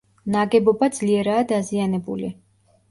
ნაგებობა ძლიერაა დაზიანებული.